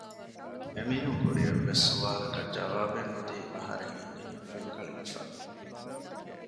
އެމީހުން ކުރި އެއްވެސް ސުވާލަކަށް ޖަވާބެއް ނުދީ އަހަރެން އިނީ ފެންކަޅިވެފަ